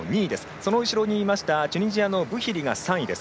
その後ろにいましたチュニジアのブヒリが３位です。